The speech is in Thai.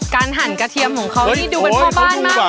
การหั่นเกษียมของเขานี่ดูเป็นพ่อบ้านมากเลยฮะ